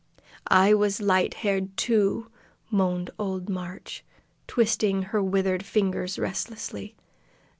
"I was light haired, too," moaned old Marg, twisting her withered fingers restlessly.